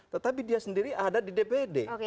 tetapi dia sendiri ada di dpd